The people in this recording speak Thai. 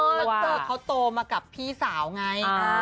เจอเขาโตมากับพี่สาวไง